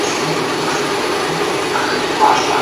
هیڅوک حق نه لري چي د بل چا په شخصي ژوند کي مداخله وکړي.